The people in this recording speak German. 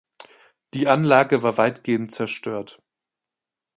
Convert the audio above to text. Die Anlage war weitgehend zerstört.